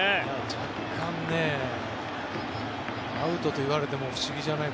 若干アウトと言われても不思議じゃない。